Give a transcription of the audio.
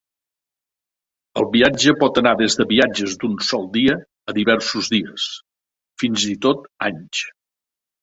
El viatge pot anar des de viatges d'un sol dia a diversos dies, fins i tot anys.